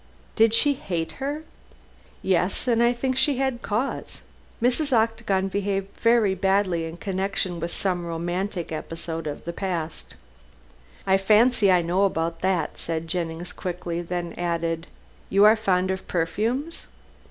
"Did she hate her?" "Yes. And I think she had cause. Mrs. Octagon behaved very badly in connection with some romantic episode of the past." "I fancy I know about that," said Jennings quickly, then added, "You are fond of perfumes?"